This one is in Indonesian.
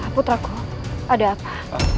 putraku ada apa